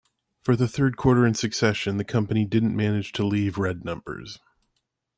For the third quarter in succession, the company didn't manage to leave red numbers.